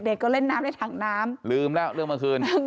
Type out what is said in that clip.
ก็เล่นน้ำในถังน้ำลืมแล้วเรื่องเมื่อคืน